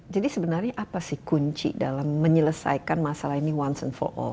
jadi sebenarnya apa sih kunci dalam menyelesaikan masalah ini once and for all